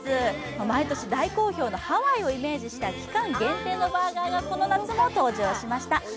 毎年大好評のハワイをイメージした期間限定のバ−ガーがこの夏も登場しました。